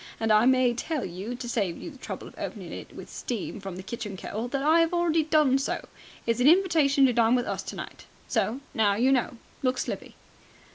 And I may tell you, to save you the trouble of opening it with steam from the kitchen kettle, that I 'ave already done so. It's an invitation to dine with us tonight. So now you know. Look slippy!"